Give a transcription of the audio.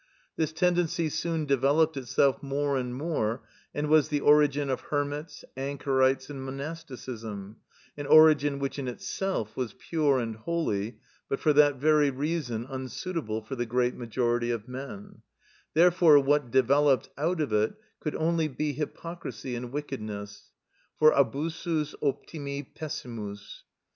This tendency soon developed itself more and more, and was the origin of hermits, anchorites, and monasticism—an origin which in itself was pure and holy, but for that very reason unsuitable for the great majority of men; therefore what developed out of it could only be hypocrisy and wickedness, for abusus optimi pessimus.